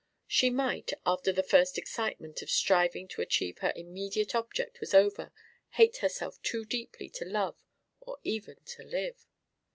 She might, after the first excitement of striving to achieve her immediate object was over, hate herself too deeply to love or even to live.